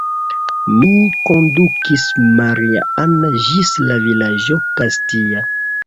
Mi kondukis Maria-Ann ĝis la vilaĝo Kastia.